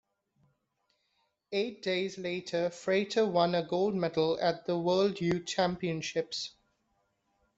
Eight days later Frater won a gold medal at the World Youth Championships.